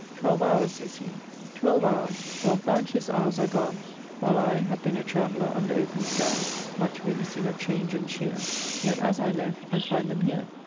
"Twelve hours," says he, "Twelve hours, twelve bounteous hours are gone, while I Have been a traveller under open sky, Much witnessing of change and cheer, Yet as I left I find them here!"